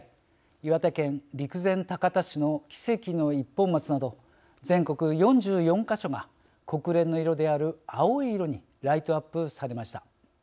岩手県陸前高田市の奇跡の一本松など全国４４か所が国連の色である青い色にライトアップされました。